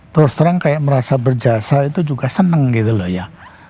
terus terang kayak merasa berjasa itu juga senang gitu loh ya